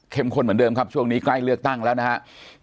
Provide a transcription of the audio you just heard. ข้นเหมือนเดิมครับช่วงนี้ใกล้เลือกตั้งแล้วนะครับ